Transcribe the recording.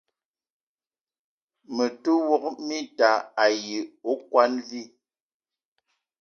Me te wok minta ayi okwuan vi.